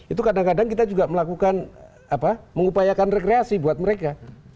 itu kadang kadang kita juga melakukan mengupayakan rekreasi buat mereka